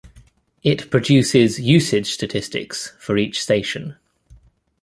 It produces usage statistics for each station.